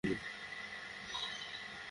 থিরুছেন্দুর থেকে কখন হাঁটা শুরু করেছলি?